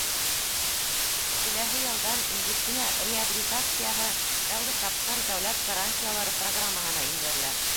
Киләһе йылдан медицина реабилитацияһы тәүге тапҡыр Дәүләт гарантиялары программаһына индерелә.